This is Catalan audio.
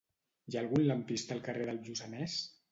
Hi ha algun lampista al carrer del Lluçanès?